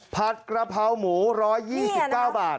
ผัดกระเพราหมู๑๒๙บาท